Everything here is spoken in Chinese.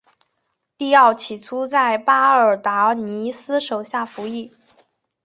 利奥起初在巴尔达尼斯手下服役。